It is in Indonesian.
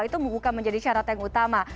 itu bukan menjadi syarat yang utama